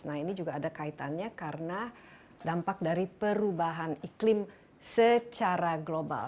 nah ini juga ada kaitannya karena dampak dari perubahan iklim secara global